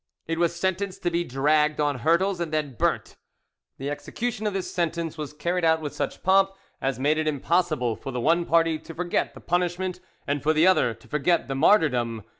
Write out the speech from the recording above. It was sentenced to be dragged on hurdles and then burnt. The execution of this sentence was carried out with such pomp as made it impossible for the one party to forget the punishment and for the other to forget the martyrdom.